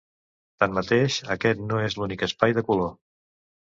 Tanmateix, aquest no és l'únic espai de color.